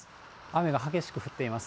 雨が激しく降っています。